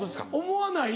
思わない？